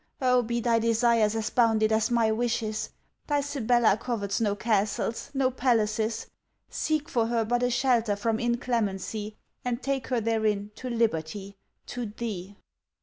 Oh, be thy desires as bounded as my wishes! Thy Sibella covets no castles, no palaces. Seek for her but a shelter from inclemency, and take her therein to liberty, to thee!